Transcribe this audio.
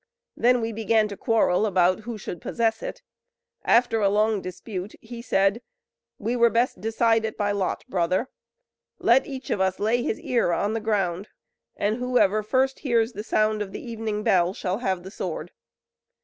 Then we began to quarrel about who should possess it. After a long dispute he said: "'We were best decide it by lot, brother. Let each of us lay his ear to the ground, and whoever first hears the sound of the evening bell shall have the sword.'